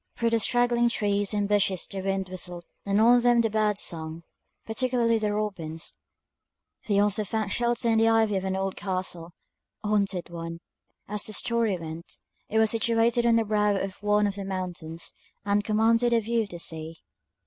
Through the straggling trees and bushes the wind whistled, and on them the birds sung, particularly the robins; they also found shelter in the ivy of an old castle, a haunted one, as the story went; it was situated on the brow of one of the mountains, and commanded a view of the sea.